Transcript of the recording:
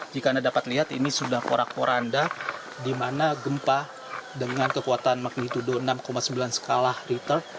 jika anda dapat lihat ini sudah porak porak anda di mana gempa dengan kekuatan makin itu enam sembilan skala ritter